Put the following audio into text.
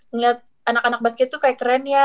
ngeliat anak anak basket tuh kayak keren ya